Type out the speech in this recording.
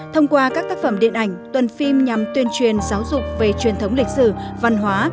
thông qua các tác phẩm điện ảnh tuần phim nhằm tuyên truyền giáo dục về truyền thống lịch sử văn hóa